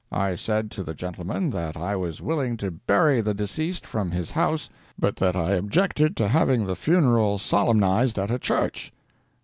I said to the gentleman that I was willing to bury the deceased from his house, but that I objected to having the funeral solemnized at a church.